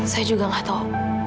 saya juga gak tahu